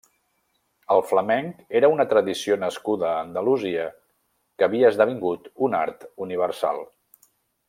El flamenc era una tradició nascuda a Andalusia que havia esdevingut un art universal.